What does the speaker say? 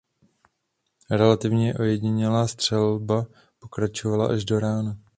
Relativně ojedinělá střelba pokračovala až do rána.